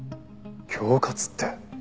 恐喝って。